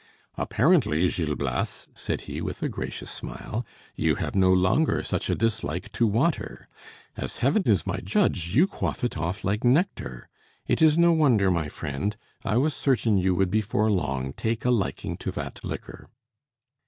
"Apparently, Gil Blas," said he, with a gracious smile, "you have no longer such a dislike to water. As Heaven is my judge, you quaff it off like nectar! It is no wonder, my friend; I was certain you would before long take a liking to that liquor."